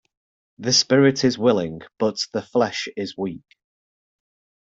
The spirit is willing but the flesh is weak.